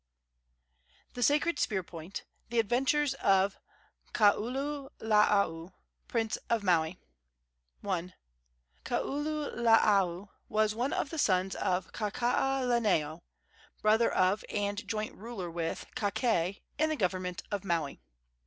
THE SACRED SPEAR POINT. THE ADVENTURES OF KAULULAAU, PRINCE OF MAUI. I. Kaululaau was one of the sons of Kakaalaneo, brother of, and joint ruler with, Kakae in the government of Maui.